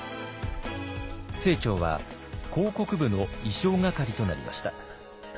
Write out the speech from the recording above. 清張は広告部の意匠係となりました。